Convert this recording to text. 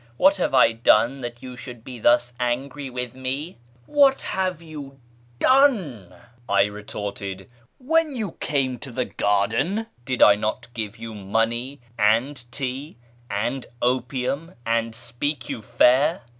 What have I done that you should be thus angry with me ?"" What have you done ?" I retorted ;" when you came to the garden, did I not give you money and tea and opium, and speak you fair